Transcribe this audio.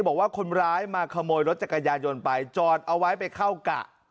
บอกว่าคนร้ายมาขโมยรถจักรยานยนต์ไปจอดเอาไว้ไปเข้ากะ